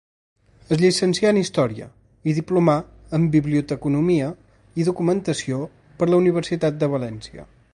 Es llicencià en Història i diplomà en Biblioteconomia i Documentació per la Universitat de València.